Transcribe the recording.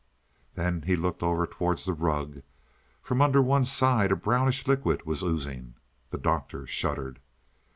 Then he looked over towards the rug. From under one side a brownish liquid was oozing; the Doctor shuddered.